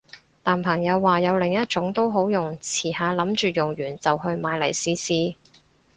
但朋友話有另一種都好用，遲下諗住用完就去買嚟試試